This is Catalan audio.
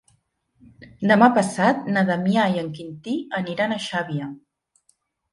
Demà passat na Damià i en Quintí aniran a Xàbia.